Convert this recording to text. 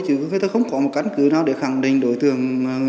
chứ người ta không có một căn cứ nào để khẳng định đối tượng